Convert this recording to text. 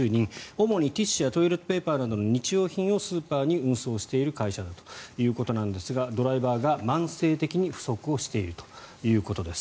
主にティッシュやトイレットペーパーなどの日用品をスーパーに運送している会社だということですがドライバーが慢性的に不足しているということです。